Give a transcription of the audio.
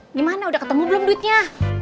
eh dimana udah ketemu belum duitnya